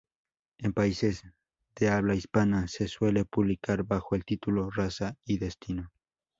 En países de habla hispana se suele publicar bajo el título "Raza y destino".